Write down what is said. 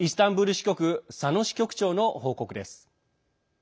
支局佐野支局長の報告です。